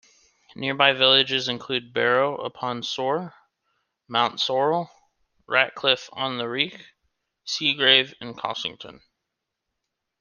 Nearby villages include Barrow upon Soar, Mountsorrel, Ratcliffe-on-the-Wreake, Seagrave and Cossington.